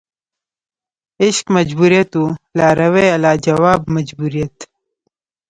عشق مجبوریت وه لارویه لا جواب مجبوریت